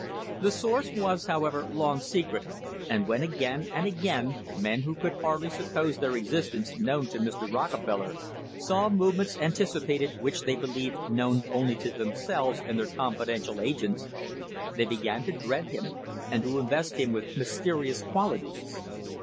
The source was, however, long secret, and when again and again men who could hardly suppose their existence known to Mr. Rockefeller saw movements anticipated which they believed known only to themselves and their confidential agents, they began to dread him and to invest him with mysterious qualities.